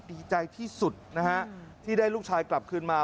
ดีใจที่สุดนะฮะที่ได้ลูกชายกลับคืนมา